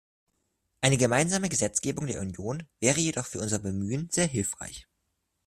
Eine gemeinsame Gesetzgebung der Union wäre jedoch für unser Bemühen sehr hilfreich.